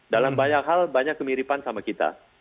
dalam banyak hal banyak kemiripan sama kita